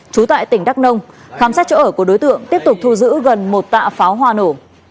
trú tại tỉnh đắk nông khám xét chỗ ở của đối tượng tiếp tục thu giữ gần một tạ pháo hoa nổ